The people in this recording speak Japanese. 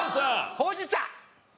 ほうじ茶！